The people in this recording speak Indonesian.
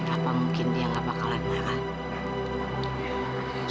apa mungkin dia gak bakalan marah kan